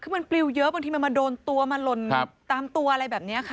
คือมันปลิวเยอะบางทีมันมาโดนตัวมาหล่นตามตัวอะไรแบบนี้ค่ะ